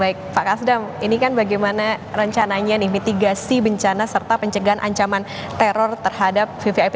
baik pak kasdam ini kan bagaimana rencananya nih mitigasi bencana serta pencegahan ancaman teror terhadap vvip